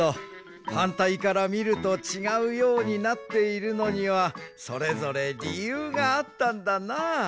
はんたいからみるとちがうようになっているのにはそれぞれりゆうがあったんだなあ。